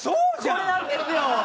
これなんですよ！